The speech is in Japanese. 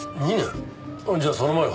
じゃあその前は？